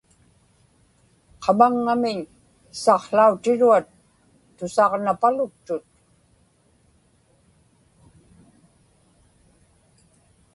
qamaŋŋamiñ saqłautiruat tusaġnapaluktut